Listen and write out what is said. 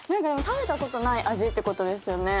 食べた事ない味っていう事ですよね？